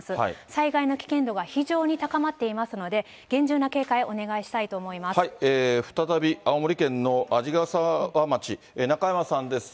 災害の危険度が非常に高まっていますので、厳重な警戒お願いした再び、青森県の鰺ヶ沢町、中山さんです。